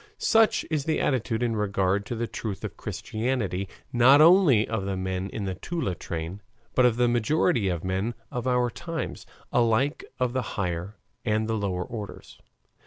Such is the attitude in regard to the truth of Christianity not only of the men in the Toula train, but of the majority of men of our times, alike of the higher and the lower orders.